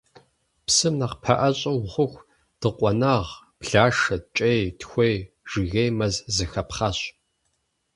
Псым нэхъ пэӀэщӀэ ухъуху дыкъуэнагъ, блашэ, кӀей, тхуей, жыгей мэз зэхэпхъащ.